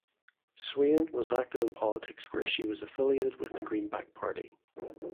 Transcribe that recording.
Swain was active in politics where she was affiliated with the Greenback Party.